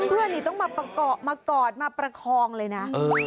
เพื่อนนี่ต้องมาประกอบมากอดมาประคองเลยนะ